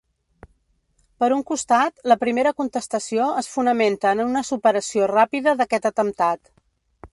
Per un costat, la primera contestació es fonamenta en una superació ràpida d’aquest atemptat.